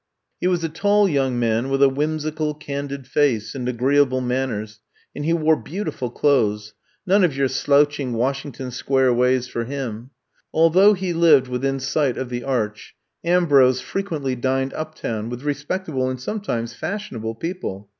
He was a tall young man with a whim sical, candid face and agreeable manners and he wore beautiful clothes — none of your slouching Washington Square ways for him. Although he lived within sight of the Arch, Ambrose frequently dined up town with respectable and sometimes fash ionable people.